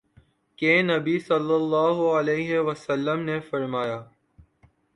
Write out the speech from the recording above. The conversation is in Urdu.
کہ نبی صلی اللہ علیہ وسلم نے فرمایا